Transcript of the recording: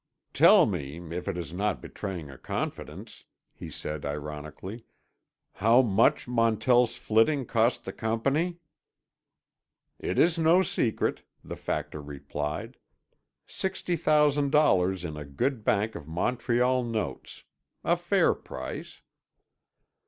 "Tell me, if it is not betraying a confidence," he said ironically, "how much Montell's flitting cost the Company?" "It is no secret," the Factor replied. "Sixty thousand dollars in good Bank of Montreal notes. A fair price."